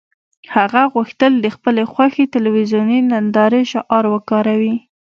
هغه غوښتل د خپلې خوښې تلویزیوني نندارې شعار وکاروي